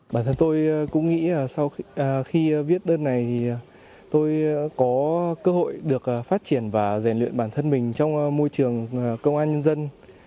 bản thân tôi cũng nghĩ sau khi viết đơn này thì tôi có cơ hội được phát triển và rèn luyện bản thân mình trong môi trường công an nhân dân